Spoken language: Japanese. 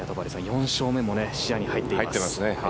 ４勝目の試合に入っています。